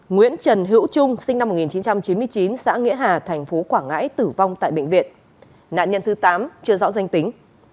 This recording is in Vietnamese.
tám nguyễn trần hữu trung sinh năm một nghìn chín trăm chín mươi chín xã nghĩa hà tp quảng ngãi tử vong tại bệnh viện